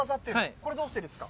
これどうしてですか？